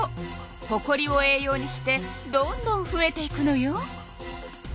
ほこりを栄養にしてどんどんふえていくのよ。